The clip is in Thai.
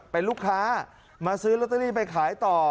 เป็นลูกค้ามาซื้อลอตเตอรี่ไปขายต่อ